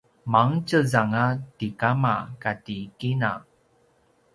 mangtjez anga ti kama kati kina